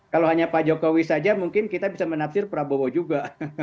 kalau hanya pak jokowi saja mungkin kita bisa menafsir prabowo juga